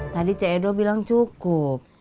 tadi ceci bilang cukup